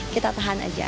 kita tahan aja